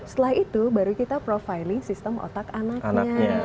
setelah itu baru kita profiling sistem otak anaknya